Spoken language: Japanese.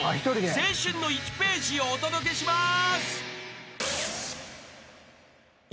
［青春の１ページをお届けします］